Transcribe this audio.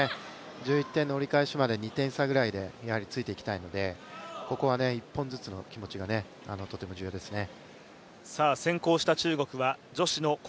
１１点の折り返しまで２点差ぐらいでやはりついていきたいのでここは１本ずつの気持ちがとても重要ですね。